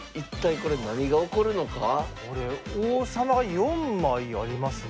これ王様が４枚ありますね。